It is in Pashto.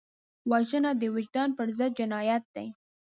وژنه د وجدان پر ضد جنایت دی